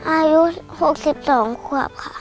อายุ๖๒ขวบค่ะ